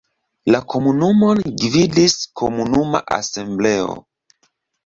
La komunumon gvidis komunuma asembleo.